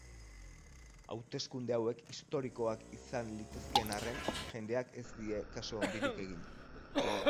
Hauteskunde hauek historikoak izan litezkeen arren, jendeak ez die kaso handirik egin.